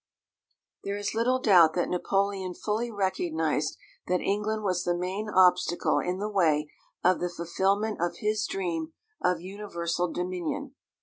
There is little doubt that Napoleon fully recognised that England was the main obstacle in the way of the fulfilment of his dream of universal dominion.